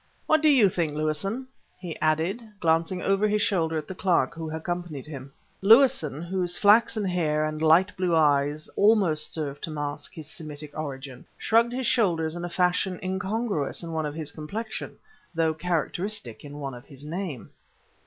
"What do you think, Lewison?" he added, glancing over his shoulder at the clerk who accompanied him. Lewison, whose flaxen hair and light blue eyes almost served to mask his Semitic origin, shrugged his shoulders in a fashion incongruous in one of his complexion, though characteristic in one of his name.